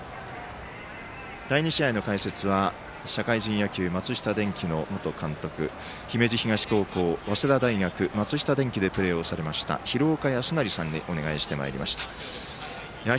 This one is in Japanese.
第２試合の解説は社会人野球松下電器の元監督、姫路東高校早稲田大学、松下電器でプレーされました廣岡資生さんにお願いしてまいりました。